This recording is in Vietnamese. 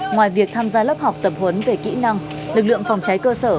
ngoài việc tham gia lớp học tập huấn về kỹ năng lực lượng phòng cháy cơ sở